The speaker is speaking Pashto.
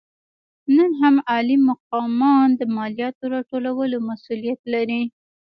نن هم عالي مقامان د مالیاتو راټولولو مسوولیت لري.